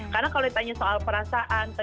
karena kalau ditanya soal perasaan